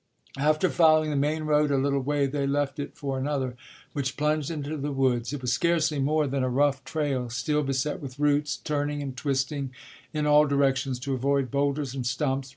After following the main road a little way they left it for another which plunged into the woods. It was scarcely more than a rough trail, still beset with roots, turning and twisting in all directions to avoid boulders and stumps.